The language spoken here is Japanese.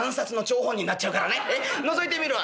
「のぞいてみる。